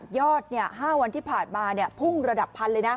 ยอด๕วันที่ผ่านมาภูมิระดับพันธุ์เลยนะ